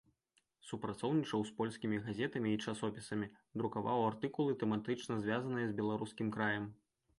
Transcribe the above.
Супрацоўнічаў з польскімі газетамі і часопісамі, друкаваў артыкулы тэматычна звязаныя з беларускім краем.